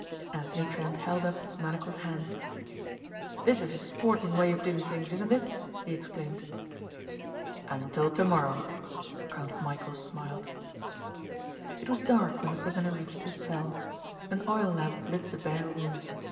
Anthony Trent held up his manacled hands. "This is a sporting way of doing things, isn't it?" he exclaimed. "Until tomorrow," Count Michæl smiled. It was dark when the prisoner reached his cell. An oil lamp lit the bare room.